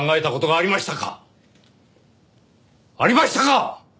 ありましたか！？